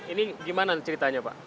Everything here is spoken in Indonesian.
ini gimana ceritanya pak